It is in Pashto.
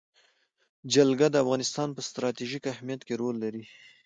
جلګه د افغانستان په ستراتیژیک اهمیت کې رول لري.